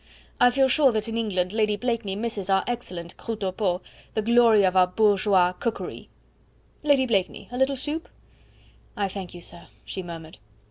"I feel sure that in England Lady Blakeney misses our excellent croutes au pot, the glory of our bourgeois cookery Lady Blakeney, a little soup?" "I thank you, sir," she murmured.